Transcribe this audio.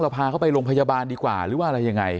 พาเขาไปโรงพยาบาลดีกว่าหรือว่าอะไรยังไง